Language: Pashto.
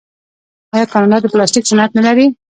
آیا کاناډا د پلاستیک صنعت نلري؟